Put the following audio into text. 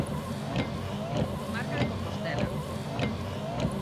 Comarca de Compostela.